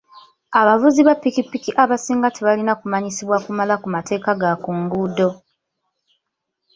Abavuzi ba ppikipiki abasinga tebalina kumanyisibwa kumala ku mateeka ga ku nguudo.